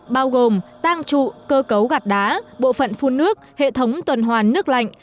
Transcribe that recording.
bao gồm tang trụ cơ cấu gạt đá bộ phận phun nước hệ thống tuần hoàn nước lạnh